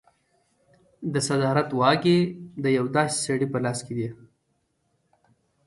د صدارت واګې د یو داسې سړي په لاس کې دي.